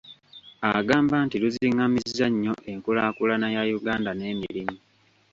Agamba nti luzingamizza nnyo enkulaakulana ya Uganda n’emirimu.